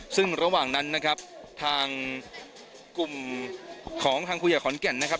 ซึ่งระหว่างนั้นนะครับทางกลุ่มของทางครูใหญ่ขอนแก่นนะครับ